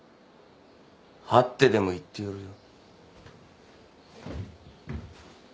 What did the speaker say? はってでも行ってやるよ。